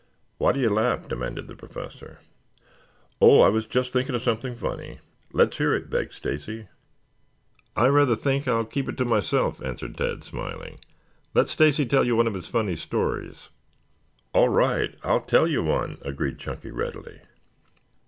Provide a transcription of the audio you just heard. "Why do you laugh?" demanded the Professor. "Oh, I was just thinking of something funny." "Let's hear it," begged Stacy. "I rather think I'll keep it to myself," answered Tad, smiling. "Let Stacy tell you one of his funny stories." "All right, I'll tell you one," agreed Chunky readily.